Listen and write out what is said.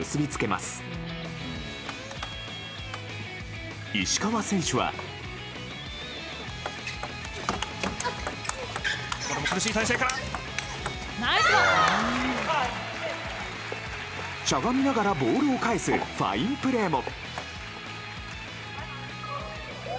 しゃがみながらボールを返すファインプレーも。